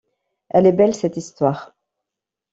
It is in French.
Elle est belle, cette histoire...